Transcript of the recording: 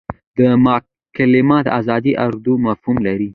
دا مکالمه د ازادې ارادې مفهوم لري.